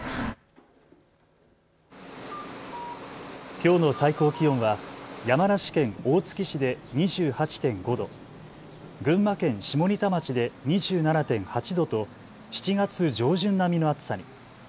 きょうの最高気温は山梨県大月市で２８．５度、群馬県下仁田町で２７．８度と７月上旬並みの暑さに。